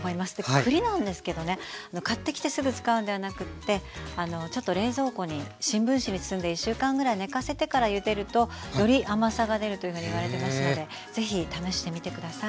栗なんですけどね買ってきてすぐ使うんではなくってちょっと冷蔵庫に新聞紙に包んで１週間ぐらい寝かせてからゆでるとより甘さが出るというふうにいわれてますので是非試してみて下さい。